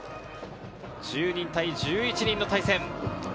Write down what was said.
１０人対１１人の対戦。